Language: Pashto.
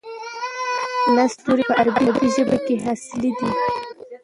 لس توري په عربي ژبه کې اصلي دي.